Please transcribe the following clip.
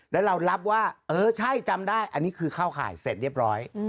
แล้วเรารับว่าเออใช่จำได้อันนี้คือเข้าข่ายเสร็จเรียบร้อย